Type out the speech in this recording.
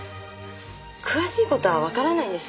詳しい事はわからないんです。